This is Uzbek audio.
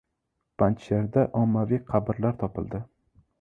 Panjsherda ommaviy qabrlar topildi